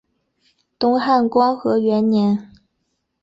东汉光和元年。